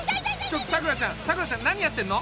ちょっとさくらちゃんさくらちゃん何やってんの？